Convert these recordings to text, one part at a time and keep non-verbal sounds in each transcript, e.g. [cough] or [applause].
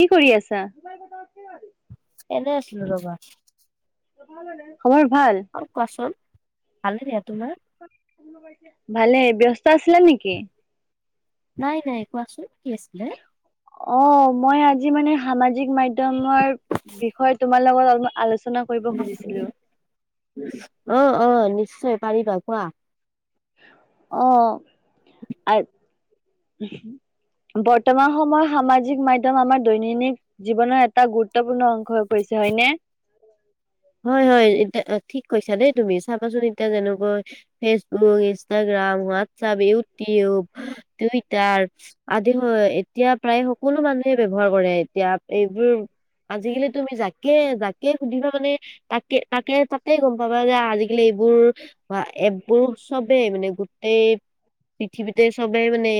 কি কৰি আছা। এনেই আছিলো ৰবা। পথাৰলৈ যায়। আমাৰ ভাল। আৰু কোৱাচোন ভালে দিয়া তোমাৰ ভালেই ব্যস্ত । ত চিয়ে নেকি। নাই নাই কোৱাচোন। কি আছিলে। অ মই আজি মানে সামাজিক মাধ্যমৰ বিষয়ে তোমাৰ লগত অলপ আলোচনা। কৰিব খুজিছিলো। অ অ নিশ্চ। নিশ্চয় পাৰিবা কোৱা। অ বৰ্তমান সময়ত সামাজিক মাধ্যম আমাৰ দৈনন্দিন জীৱনৰ এটা গুৰুত্বপূৰ্ণ অংশ। হৈ পৰিছে হয়নে। হয় হয় এ ঠিক। কৈছা দেই তুমি চাবাচোন এতিয়া যেনেকৈ Facebook, Instagram, WhatsApp, YouTube, Twitter আদি বোৰ এতিয়া প্ৰায় সকলো মানুহে ব্যৱহাৰ কৰে এতিয়া এইবোৰ আজিকালি তুমি যাকে যাকে সুধিবা মানে। তাক। কে তাকে তাতে গম পাবা যে আজিকালি এইবোৰ। বা এপবোৰ চবেই মানে গোটেই পৃথিৱীতে চবেই মানে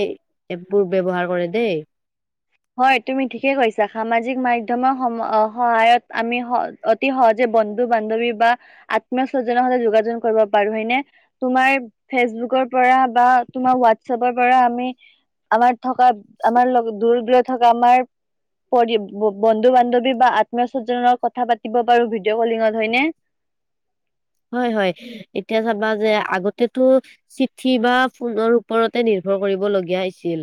এপবোৰ ব্যৱহাৰ কৰে দেই। হয় তুমি ঠিকেই কৈছা সামাজিক মাধ্যমৰ সম সহায়ত আমি স অতি সহজে বন্ধু বান্ধৱী বা আত্মীয় স্বজনৰ সৈতে যোগাযোগ কৰিব পাৰো হয়নে তোমাৰ ফেচবুকৰ পৰা বা তোমাৰ হোৱাটচএপৰ পৰা আমি আমাৰ। থকা আমাৰ লগত দুৰ দুৰত। ধৰক আমাৰ পৰি বন্ধু বান্ধৱী বা আত্মীয়স্বজ্জনৰ কথা পাতিব পাৰো ভিডিঅ' কলিঙত হয়নে। হয় হয় এতিয়া চাবা যে আগতেটো চিঠি বা ফোনৰ ওপৰতে নিৰ্ভৰ কৰিব লগীয়া হৈছিল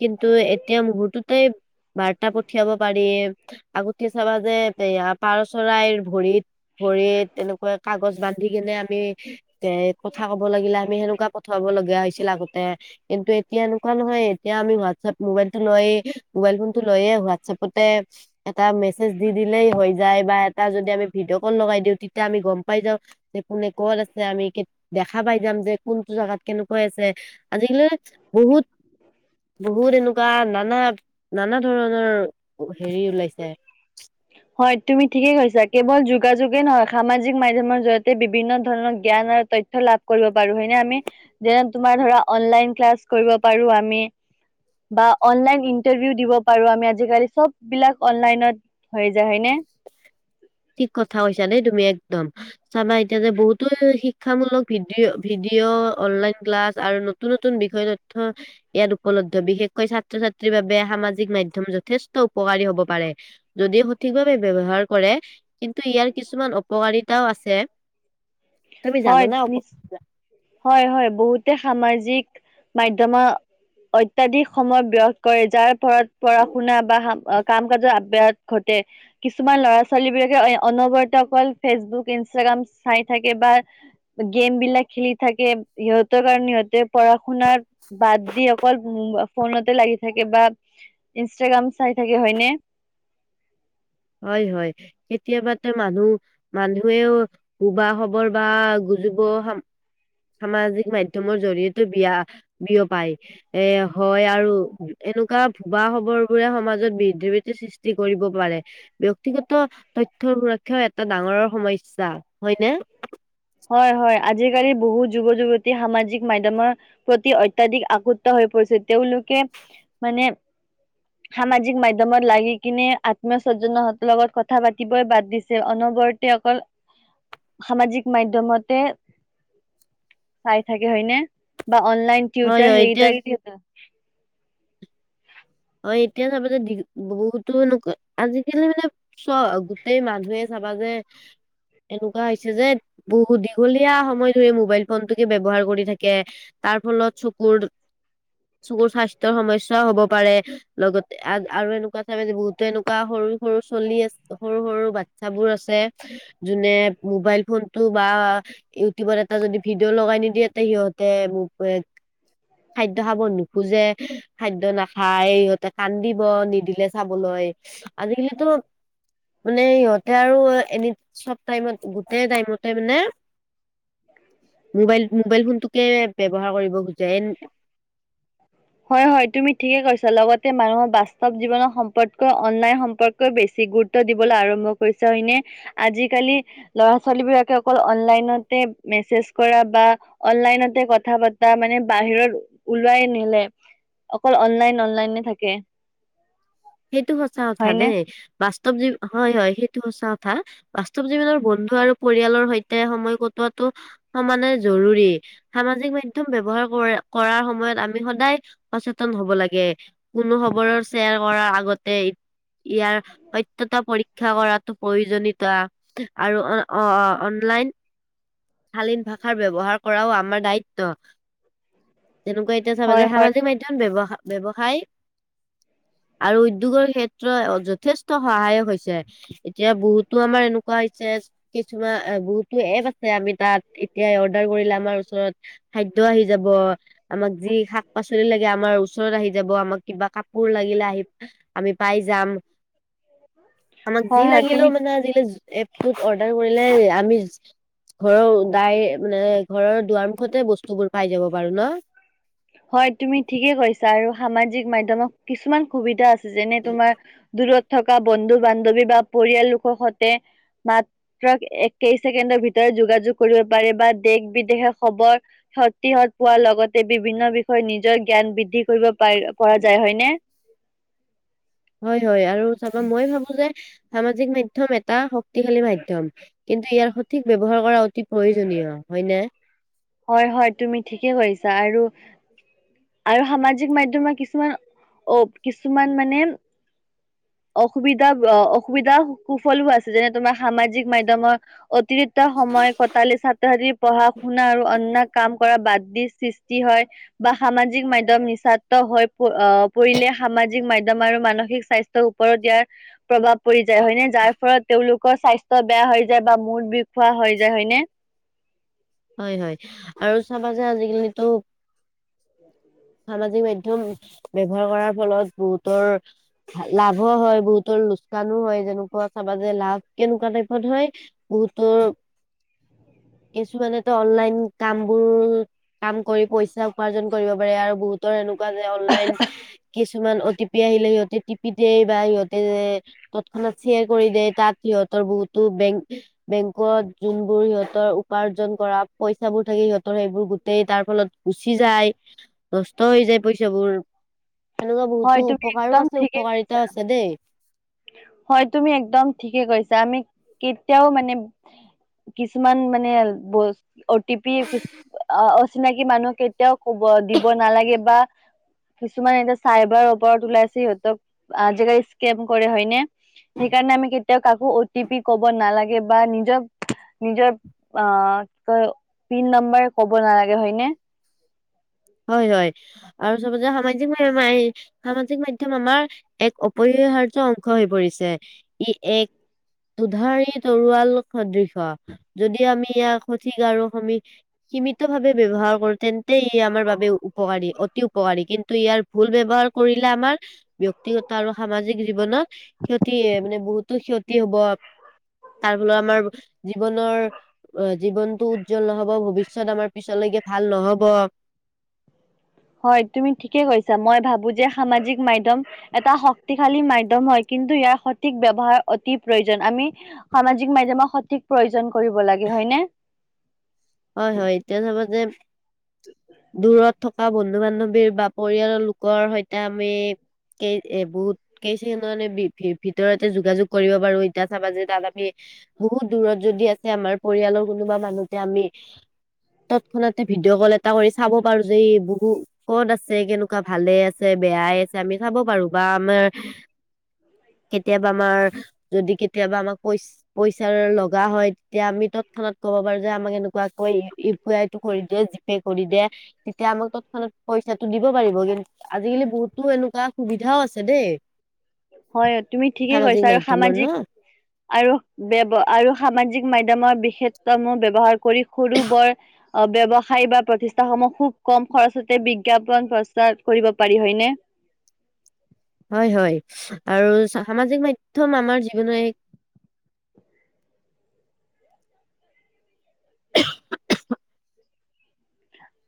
কিন্তু এতিয়া মুহুৰ্ততেই বাৰ্তা পঠিয়াব পাৰি আগতে চাবা যে এয়া পাৰ চৰাইৰ ভৰিত ভৰিত এনেকুৱাত। কাগজ বান্ধি কেনে আমি এ কথা কব লাগিলে আমি সেনেকুৱা পঠাব লগিয়া হৈছিল আগতে কিন্তু এতিয়া এনেকুৱা নহয় এতিয়া আমি হোৱাটছএপ মোবাইলটো লয়ে মোবাইল ফোনটো লৈয়ে হোৱাটছএপতে এটা মেছেজ দি দিলেই হৈ যায় বা এটা যদি আমি ভিডিঅ' কল লগাই দিওঁ তেতিয়া আমি গম । পাই যা। যে কোনে ক'ত আছে আমি কেত দেখা পাই যাম যে কোনটো জেগাত কেনেকৈ আছে। আজিকালি বহুত বহুত এনেকুৱা নানা নানা ধৰণৰ হেৰি ওলাইছে। হয় তুমি ঠিকেই কৈছা কেৱল যোগাযোগে নহয় সামাজিক মাধ্যমৰ জৰিয়তে বিভিন্ন ধৰণৰ জ্ঞান আৰু তথ্য লাভ কৰিব পাৰো হয়নে আমি যেন তোমাৰ ধৰা অনলাইন ক্লাছ কৰিব পাৰোঁ আমি বা অনলাইন ইণ্টাৰ্ভিউ দিব পাৰোঁ আমি আজিকালি চববিলাক অনলাইনত। হৈ যায় হয়নে? ঠিক কথা কৈছা দেই তুমি একদম চাবা এতিয়া যে বহুতো শিক্ষামূলক ভিডিঅ' ভিডিঅ' অনলাইন ক্লাছ আৰু নতুন নতুন বিষয় তথ্য ইয়াত উপলব্ধ বিশেষকৈ ছাত্ৰ ছাত্ৰীৰ বাবে সামাজিক মাধ্যম যথেষ্ট উপকাৰী হব পাৰে যদি সঠিক ভাৱে ব্যৱহাৰ কৰে । কিন্তু ইয়াৰ কিছুমান অপকাৰিতাও আছে । তুমি হয় জানানে নিচ অপ--। হয় হয় বহুতে সামাজিক মাধ্যমত অত্যাধিক সময় ব্যয় কৰে, যাৰ ফলত পঢ়া শুনা বা কাম কাজৰ আব্যাহাত ঘটে কিছুমান ল'ৰা ছোৱালী বিলাকে অনবৰতে অকল ফেচবুক, ইনষ্টাগ্ৰাম চাই থাকে বা গেম বিলাক খেলি থাকে, সিহঁতৰ কাৰণে সিহঁতে পঢ়া শুনাৰ বাদ দি অকল ফোনতে লাগি থাকে বা ইনষ্টাগ্ৰাম চাই থাকে হয়নে। হয় হয় কেতিয়াবাতে মানুহ মানুহেও ভুৱা খবৰ বা গুজব সামাজিক মাধ্যমৰ জৰিয়তে বিয়া বিয়পাই, এ হয় আৰু এনেকুৱা ভুৱা খবৰ বোৰে সমাজত বিদ্ধি বৃদ্ধি সৃষ্টি কৰিব পাৰে। ব্যক্তিগত তথ্যৰ সুৰক্ষাও এটা ডাঙৰৰ সমস স্যা। হয়নে? হয় হয় আজিকালি বহুত যুৱ যুৱতী সামাজিক মাধ্যমৰ প্ৰতি অত্যাধিক আসক্ত হৈ পৰিছে তেওঁলোকে মানে সামাজিক মাধ্যমত লাগি কিনে আত্মীয় স্বজনৰ লগত কথা পাতিবই বাদ দিছে অনবৰতে অকল সামাজিক মাধ্যমতে চাই থাকে হয়নে। বা অনলাইন হয় টিউটৰ হয় সেই [inaudible] এতিয়া এতিয়া চাবা যে দীঘ বহুতো এনেকুৱা আজিকালি মানে চ গোটেই মানুহে চাবা যে এনেকুৱা হৈছে যে বহু দীঘলীয়া সময় ধৰি মোবাইল ফোনটোকে ব্যৱহাৰ কৰি থাকে তাৰ ফলত চকুৰ চকুৰ স্বাস্থ্যৰ সমস্যাও হব পাৰে । লগতে আৰু এনেকুৱা চাবা যে বহুতো এনেকুৱা সৰু সৰু চল্লি আ সৰু সৰু বাচ্ছাবোৰ আছে যোনে মোবাইল ফোনতটো বা ইউটিউবত এটা যদি ভিডিঅ' লগাই নিদিয়ে সিহঁতে খাদ্য খাব নোখোজে, খাদ্য নাখায়। খাই সিহঁতে কান্দিব নিদিলে চাবলৈ। আজিকালি টো মানে সিহঁতে আৰু এনি চব টাইমত গোটেই টাইমতে মানে মোবাইল মোবাইল ফোনটোকে ব্যৱহাৰ কৰিব খুজে । হয় হয় তুমি ঠিকে কৈছা লগতে মানুহৰ বাস্তৱ জীৱনৰ সম্পৰ্কেও অনলাইন সম্পৰ্কেও বেছি গুৰুত্ব দিবলৈ আৰম্ভ কৰিছে হয়নে । আজিকালি ল'ৰা ছোৱালীবিলাকে অকল অনলাইনতে মেছেজ কৰা বা অনলাইনতে কথা পতা মানে বাহিৰত উল ঘূৰাই নিলে অকল অনলাইন অনলাইনে থাকে। সেইটো সঁচা কথা হয়নে দেই, বাস্তৱ জীৱ হয় হয় সেই সচা কথা বাস্তৱ জীৱনৰ বন্ধু আৰু পৰিয়ালৰ সৈতে সময় কটোৱাটো সমানে জৰুৰী সামাজিক মাধ্যম ব্যৱহাৰ কৰাৰ সময়ত আমি সদায় সচেতন হব লাগে। কোনো খবৰৰ শ্বেয়াৰ কৰা বতেই ইয়াৰ সত্যতা পৰীক্ষা কৰাটো প্ৰয়োজনীয়তা। আৰু অ অনলাইন শালিন ভাষাৰ ব্যৱহাৰ কৰাও আমাৰ দায়িত্ব। ত তেনেকুৱা এতিয়া চাবা হয় যে হয় সামাজিক মাধ্যম ব্যৱসা ব্যৱসায় আৰু উদ্যোগৰ ক্ষেত্ৰত যথেষ্ট সহায়ক হৈছে এতিয়া বহুতো আমাৰ এনেকুৱা হৈছে কিছুমান বহুতো এপ আছে আমি তাত এতিয়া অৰ্ডাৰ কৰিলে আমাৰ ওচৰত খাদ্য আহি যাব, আমাক যি শাক পাচলি লাগে আমাৰ ওচৰত আহি যাব, আমাক কিবা কাপোৰ লাগিলে আহি আমি পাই যাম, আমাক যি হয় হয় তুমি লাগিলেও মানে আজিকালি এপটোত অৰ্ডাৰ কৰিলে আমি ঘৰৰ ডাই মানে ঘৰৰ দুৱাৰ মুখতে বস্তুবোৰ পাই যাব পাৰো ন। হয় তুমি ঠিকে কৈছা আৰু সামাজিক মাধ্যমত কিছুমান সুবিধা আছে। যেনে তোমাৰ দূৰত থকা বন্ধু বান্ধৱী বা পৰিয়াল লোকৰ সতে মাত্ৰ কেই ছেকেণ্ডৰ ভিতৰত যোগাযোগ কৰিব পাৰে বা দেশ বিদেশে খবৰ খাতিহত পোৱাৰ লগতে বিভি বিভিন্ন বিষয়ে নিজৰ জ্ঞান বৃদ্ধি কৰিব পাইৰ পৰা যায় হয়নে? হয় হয় আৰু চাবা মই ভাবো যে সামাজিক মাধ্যম এটা শক্তিশালী মাধ্যম কিন্তু ইয়াৰ সঠিক ব্যৱহাৰ কৰা অতি প্ৰয়োজনীয় হয় নে। হয় হয় তুমি ঠিকেই কৰিছা আৰু আৰু সামাজিক মাধ্যমৰ কিছুমান অ কিছুমান মানে অসুবিধা অসুবিধা কুফলো আছে যেনে তোমাৰ সামাজিক মাধ্যমৰ অতিৰিক্ত সময় কটালে ছাত্ৰ ছাত্ৰীৰ পঢ়াশু আৰু অন্য কাম কৰা বাদ দি সৃষ্টি হয় বা সামাজিক মাধ্যম নিসাক্ত হৈ আহ পৰিলে সামাজিক মাধ্যম আৰু মানসিক স্বাস্থ্যৰ ওপৰত ইয়াৰ প্ৰভাৱ পৰি যায় হয়নে যাৰ ফলত তেওঁলোক কয় স্বাস্থ্য বেয়া হৈ যায় বা মূৰ বিখোৱা হৈ যায় হয়নে? হয় হয় আৰু চাবা যে আজিকালিতো সামাজিক মাধ্যম ব্যৱহাৰ কৰাৰ ফলত বহুতৰ লাভো হয় বহুতৰ লোকচানো হয় যেনেকুৱা চাবাযে লাভ কেনেকুৱা টাইপত হয় বহুতৰ এইছো মানে অনলাইন কাম বোৰ কাম কৰি পইচা উপাৰ্জন কৰিব পাৰে আৰু বহুতৰ এনেক মাজে অনলাইন কিছুমান অতি হি আহিলে সিহতে টিপি দিয়ে বা সিহঁতে তৎক্ষণাত শ্বেয়াৰ কৰি দে তাত সিহঁতৰ বহুতো বেং বেংকত যোনবোৰ সিহতৰ উপাৰ্জন কৰা পইচা বোৰ থাকে সিহঁতৰ সেইবোৰ গোটেই তাৰ ফলত গুচি যায়। নষ্ট হৈ যায় পইচাবোৰ এনেকুৱা হয় বহুতো তুমি উপকাৰো একদম আছে ঠিকে কৈছা উপকাৰিতাও আছে দেই হয়, তুমি একদম ঠিকে কৈছা আমি কেতিয়াও মানে কিছুমান মানে অহঁ টিপি কি আহ আহ অচিনাকি মানুহক কেতিয়াও কব দিব নালাগে বা কিছুমান এতিয়া চাইবাৰৰ ওপৰত ওলাইছে সিহঁতক আজিকালি স্কেম কৰে হয়নে সেইকাৰণে আমি কেতিয়াও কাকো অ টি পি ক'ব নালাগে বা নিজৰ নিজৰ অ পিন নাম্বাৰ কব‌ নালাগে হয়নে । হয় হয় আৰু চবতে সামাজিক মাধ্যম সামাজিক মাধ্যম আমাৰ এক অপৰিহাৰ্য অংশ হৈ পৰিছে ই এক দুধাৰি তৰোৱাল সদৃশ যদি আমি ইয়াক সঠিক আৰু সমী সীমিত ভাৱে ব্যৱহাৰ কৰো তেন্তে ই আমাৰ বাবে উপকাৰী অতি উপকাৰী কিন্তু ইয়াৰ ভুল ব্যৱহাৰ কৰিলে আমাৰ ব্যক্তিগত আৰু সামাজিক জীৱনত ক্ষতি মানে বহুতো ক্ষতি হব, তাৰ ফলত আমাৰ জীৱনৰ অ জীৱনতটো উজ্জ্বল নহব ভৱিষ্যত আমাৰ পিছলৈকে ভাল নহ'ব ব'হ হয় তুমি ঠিকে কৈছা মই ভাবো যে সামাজিক মাধ্যম এটা শক্তিশালী মাধ্যম হয় কিন্তু ইয়াৰ সঠিক ব্যৱহাৰ অতি প্ৰয়োজন আমি সামাজিক মাধ্যমক সঠিক প্ৰয়োজন কৰিব লাগে হয় নে? হয় হয় এতিয়া চাবা যে দূৰত থকা বন্ধু বান্ধৱীৰ বা পৰিয়ালৰ লোকৰ সৈতে আমি কেই এ বহুত কেইচানে ভিতৰতে যোগাযোগ কৰিব পাৰো এতিয়া চাবা যে তাত আমি বহুত দূৰত যদি আছে আমাৰ পৰিয়ালৰ কোনোবা মানুহতে আমি তৎক্ষণাতে ভিডিঅ' কল এটা কৰি চাব পাৰো যে ই বহু ক'ত আছে কেনেকুৱা ভালে আছে বেয়াই আছে আমি চাব পাৰো বা আমাৰ কেতিয়াবা আমাৰ যদি কেতিয়াবা আমাক পইচা পইচাৰ লগা হয় তেতিয়া আমি তৎক্ষণাত কব পাৰো যে আমাক এনেক ইউি আই, পিটো কৰি দে জি পেটো কৰি দে তেতিয়া আমাক তৎক্ষণাত পইচা টো দিব পাৰিব কিন্তু আজি হয় তুমি ঠিকেই সামাজিক কৈছা আৰু মাধ্যমৰ ন সামাজিক আৰু ব্যৱ আৰু সামাজিক মাধ্যমৰ বিশষষমূহ ব্যৱহাৰ কৰি সৰু বৰ ব্যৱসায়ী বা প্ৰতিষ্ঠাসমূহ খুব কম খৰচতে বিজ্ঞাপন প্ৰস্তাৱ কৰিব পাৰি হয়নে হয় হয় আৰু সামাজিক মাধ্যম আমাৰ জীৱনৰ এক [unintelligible]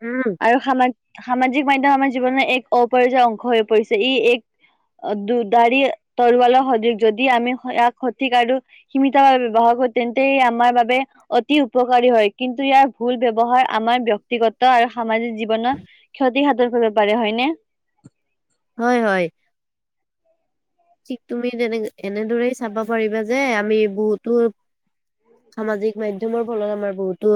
উম আৰু সামান সামাজিক মাধ্যম আমাৰ জীৱনৰ এক অপ্ৰয় অংশ হৈ পৰিছে ই এক দুদাৰি তৰৱালৰ সদৃশ যদি আমি ইয়াক সঠিক আৰু সীমিতভাৱে ব্যৱহাৰ কৰো তেন্তে ই আমাৰ বাবে অতি উপকাৰী হয় কিন্তু ইয়াৰ ভুল ব্যৱহাৰ আমাৰ ব্যক্তিগত আৰু সামাজিক জীৱনৰত ক্ষতি সাধন কৰিব পাৰে হয়নে। হয় হয় ঠিক তুমি তেনে এনেদৰেই চাব পাৰিবা যে আমি বহুতো সামাজিক মাধ্যমৰ ফলত আমাৰ বহুতো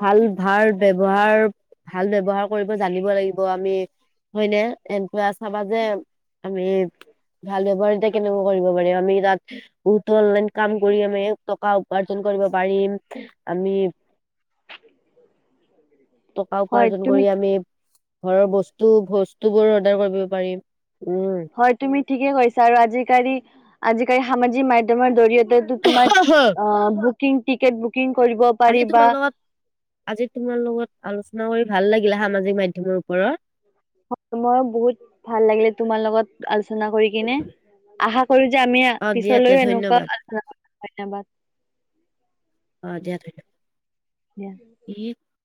ভাল ভাল ব্যৱহাৰ ভাল ব্যৱহাৰ কৰিব জানিব লাগিব আমি হয়নে এনেকা চাবা যে আমি ভাল ব্যৱহাৰতে কেনেকুৱা কৰিব পাৰি আমি তাতঁ হয় [unintelligible] বহুতো অনলাইন কাম কৰি আমি টকা উপাৰ্জন কৰিব পাৰিম, আমি টকা হয় উপাৰ্জন তুমি কৰি আমি ঘৰৰ বস্তু টোবোৰ অৰ্ডাৰ কৰিব পাৰিম। হয়, তুমি ঠিকে কৈছা আৰু আজিকালি- আজিকালি সামাজিক মাধ্যমৰ জৰিয়তে টো তোমাৰ, উম অ টিং টিকেট বুকিং কৰিব পাৰি আজি বা তোমাৰ লগত আজি তোমাৰ লগত আলোচনা কৰি ভাল লাগিলে সামাজিক মাধ্যমৰ ওপৰত। মই বহুত ভাল লাগিলে তোমাৰ লগত আজ কৰি কিনে, আহ কৰি যে আমি অ দিয়া তে পিছলৈও ধন্যবাদ এনেকুৱা, ধন্যবাদ। অঁ দিয়াতে। দিয়া। [unintelligible]